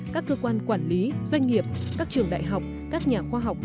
các cơ quan quản lý doanh nghiệp các trường đại học các nhà khoa học